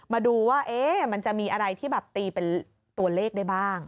มาดูว่ามันจะมีอะไรที่แบบตีเป็นตัวเลขได้บ้าง